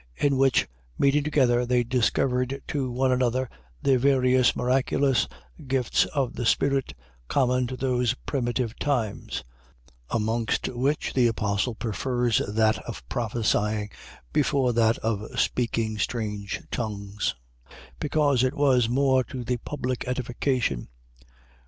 in which, meeting together, they discovered to one another their various miraculous gifts of the Spirit, common in those primitive times; amongst which the apostle prefers that of prophesying before that of speaking strange tongues, because it was more to the public edification.